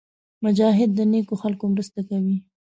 مجاهد د نېکو خلکو مرسته کوي.